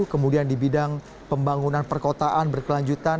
kemudian di bidang pembangunan perkotaan berkelanjutan